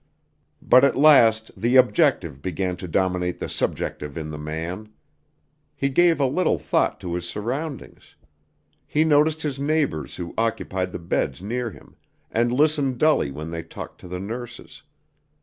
But at last, the objective began to dominate the subjective in the man. He gave a little thought to his surroundings. He noticed his neighbors who occupied the beds near him, and listened dully when they talked to the nurses.